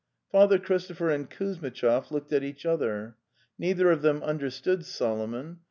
Father Christopher and Kuzmitchov looked at each other. Neither of them understood Solomon.